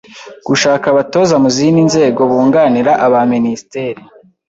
Gushaka abatoza mu zindi nzego bunganira aba minisiteri